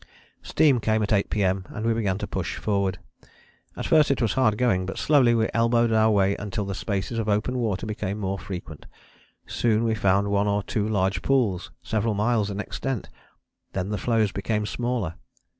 Steam came at 8 P.M. and we began to push forward. At first it was hard going, but slowly we elbowed our way until the spaces of open water became more frequent. Soon we found one or two large pools, several miles in extent; then the floes became smaller.